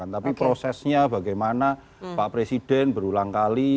tapi prosesnya bagaimana pak presiden berulang kali